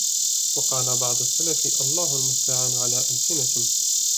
وَقَالَ بَعْضُ السَّلَفِ اللَّهُ الْمُسْتَعَانُ عَلَى أَلْسِنَةٍ